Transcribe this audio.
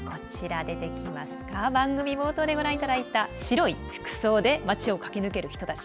番組冒頭でご覧いただいた白い服装で町を駆け抜ける人たち。